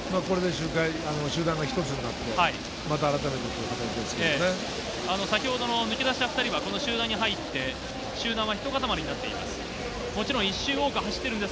集団が一つになって、あらた抜け出した２人は集団に入って集団はひと塊りなっています。